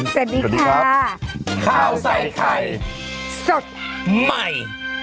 สวัสดีค่ะข้าวใส่ไข่สดใหม่